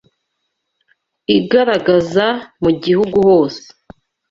igaragaza mu gihugu hose